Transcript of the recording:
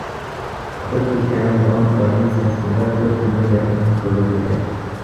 Азыр Түркиянын Ван провинциясында төрт миңге жакын кыргыз жашайт.